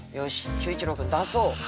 秀一郎君出そう！